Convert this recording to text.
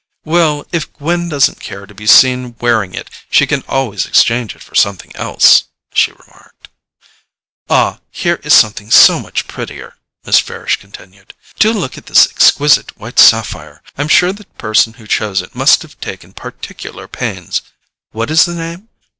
"Well, if Gwen doesn't care to be seen wearing it she can always exchange it for something else," she remarked. "Ah, here is something so much prettier," Miss Farish continued. "Do look at this exquisite white sapphire. I'm sure the person who chose it must have taken particular pains. What is the name?